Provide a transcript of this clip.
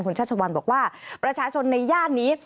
คุณชัชวัลบอกว่าประชาชนในย่านนี้